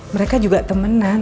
mereka juga temenan